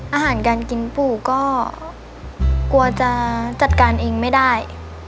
อาหารการกินปู่ก็กลัวจะจัดการเองไม่ได้